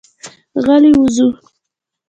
غلي وځو.